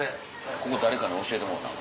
ここ誰かに教えてもろうたの？